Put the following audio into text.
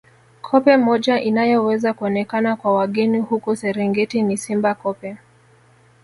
Koppe moja inayoweza kuonekana kwa wageni huko Serengeti ni Simba Koppe